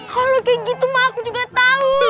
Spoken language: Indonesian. kalau kayak gitu mah aku juga tahu